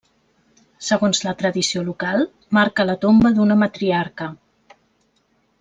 Segons la tradició local marca la tomba d'una matriarca.